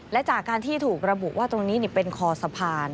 และจากการที่ถูกระบุว่าตรงนี้เป็นคอสะพาน